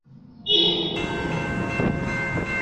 দুজনেই আমন্ত্রণ জানিয়েছি, মিঃ ডেভলিন।